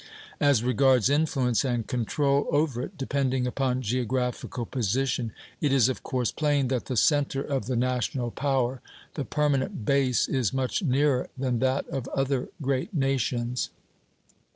As regards influence and control over it, depending upon geographical position, it is of course plain that the centre of the national power, the permanent base, is much nearer than that of other great nations.